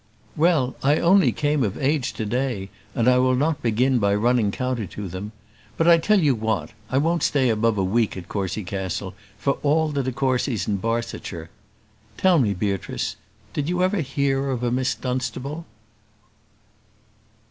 "Well; I only came of age to day, and I will not begin by running counter to them. But I tell you what, I won't stay above a week at Courcy Castle for all the de Courcys in Barsetshire. Tell me, Beatrice, did you ever hear of a Miss Dunstable?"